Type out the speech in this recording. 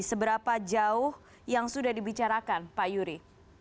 seberapa jauh yang sudah dibicarakan pak yuri